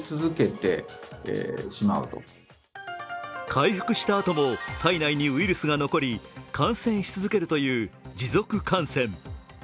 回復したあとも体内にウイルスが残り感染し続けるという持続感染。